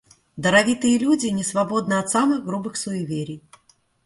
Даровитые люди не свободны от самых грубых суеверий.